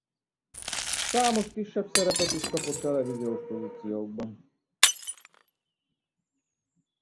Számos kisebb szerepet is kapott televíziós produkciókban.